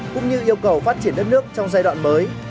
cũng như yêu cầu phát triển đất nước trong giai đoạn mới